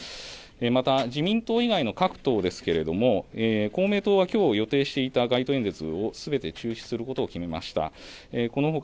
また、自民党以外の各党ですけれども公明党は、きょう予定していた街頭演説をすべて中止することを決めました。